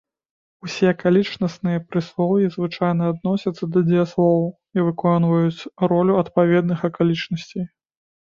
Усе акалічнасныя прыслоўі звычайна адносяцца да дзеясловаў і выконваюць ролю адпаведных акалічнасцей.